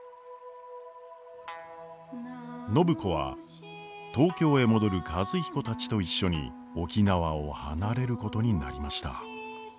暢子は東京へ戻る和彦たちと一緒に沖縄を離れることになりました。